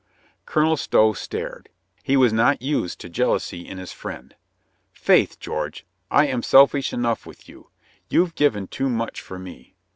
Colonel Stow stared. He was not used to jealousy in his friend. "Faith, George, I am selfish enough with you. You've given too much for me.